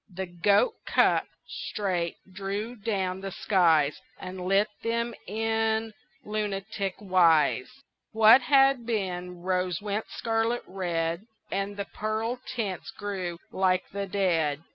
The goat cup, straight, drew down the skies And lit them in lunatick wise: What had been rose went scarlet red, And the pearl tints grew like the dead.